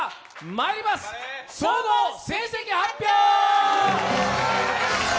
まいります、総合成績発表！